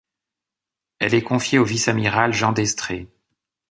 Elle est confiée au vice-amiral Jean d'Estrées.